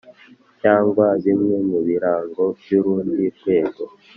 Cyangwa bimwe mu birango by urundi rwego